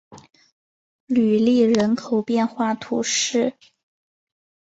吕利人口变化图示